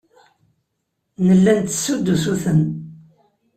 Nella nttessu-d usuten.